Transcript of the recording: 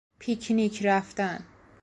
پیکنیک رفتن